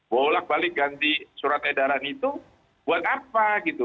bolak balik ganti surat edaran itu buat apa gitu